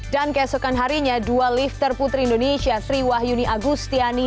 dan keesokan harinya dua lifter putri indonesia sri wahyuni agustiani